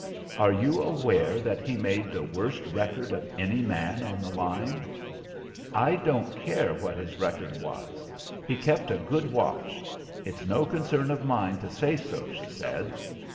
"Are you aware that he made the worst record of any man on the line?" "I don't care what his record was; he kept a good watch. It's no concern of mine to say so," she said.